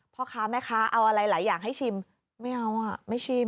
พ่อค้าแม่ค้าเอาอะไรหลายอย่างให้ชิมไม่เอาอ่ะไม่ชิม